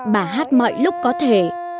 bà hát mọi lúc có thể